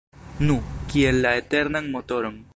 Nu, kiel la eternan motoron.